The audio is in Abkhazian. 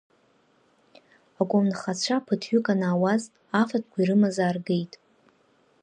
Аколнхацәа ԥыҭҩык анаауаз, афатәқәа ирымаз ааргеит.